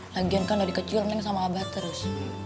lagian kan dari kecil mendingan sama abah terus